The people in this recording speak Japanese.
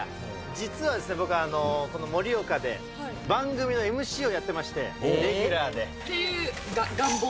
実はですね、僕、この盛岡で番組をＭＣをやってまして、レギュラーで。っていう願望？